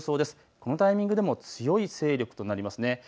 このタイミングでも強い勢力となりますね。